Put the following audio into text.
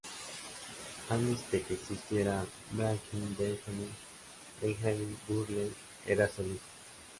Antes de que existiera Breaking Benjamin, Benjamin Burnley era solista.